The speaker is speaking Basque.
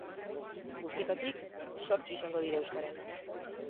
Guztietatik, zortzi izango dira euskaraz.